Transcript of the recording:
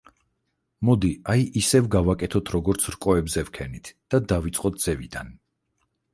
მოდი, აი ისევ გავაკეთოთ, როგორც რკოებზე ვქენით და დავიწყოთ ზევიდან.